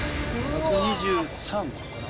１２３。